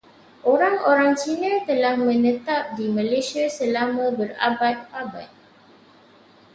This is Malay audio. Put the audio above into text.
Orang-orang Cina telah menetap di Malaysia selama berabad-abad.